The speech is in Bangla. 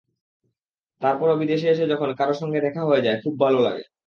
তারপরও বিদেশে এসে যখন কারও সঙ্গে দেখা হয়ে যায়, খুব ভালো লাগে।